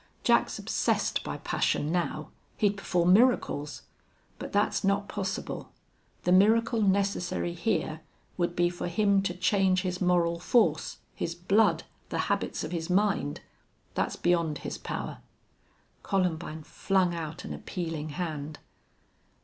Jack's obsessed by passion now. He'd perform miracles. But that's not possible. The miracle necessary here would be for him to change his moral force, his blood, the habits of his mind. That's beyond his power." Columbine flung out an appealing hand.